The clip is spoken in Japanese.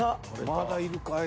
まだいるかい。